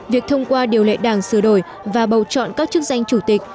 việc thông qua điều lệ đảng sửa đổi và bầu chọn các chức danh chủ tịch